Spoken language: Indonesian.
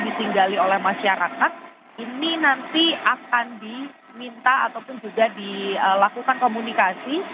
ditinggali oleh masyarakat ini nanti akan diminta ataupun juga dilakukan komunikasi